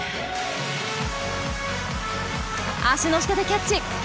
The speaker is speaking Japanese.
足の下でキャッチ。